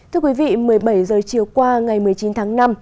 thưa quý vị một mươi bảy h chiều qua ngày một mươi chín tháng năm